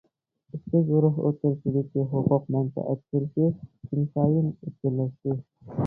ئىككى گۇرۇھ ئوتتۇرىسىدىكى ھوقۇق-مەنپەئەت كۈرىشى كۈنسايىن ئۆتكۈرلەشتى.